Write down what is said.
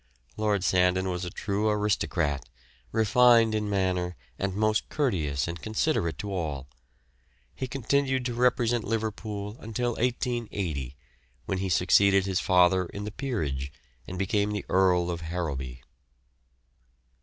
Lord Sandon was a true aristocrat, refined in manner and most courteous and considerate to all. He continued to represent Liverpool until 1880, when he succeeded his father in the Peerage and became the Earl of Harrowby.